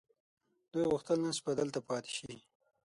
دوی غوښتل نن شپه دلته پاتې شي.